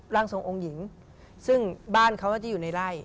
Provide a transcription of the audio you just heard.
ร่างทรงองค์หญิงซึ่งบ้านเขาจะอยู่ในไล่